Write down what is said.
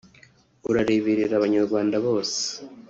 ureberera abanyarwanda bose